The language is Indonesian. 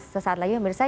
sesaat lagi bersa